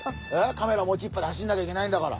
カメラ持ちっぱで走んなきゃいけないんだから。